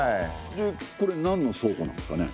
でこれなんの倉庫なんすかね？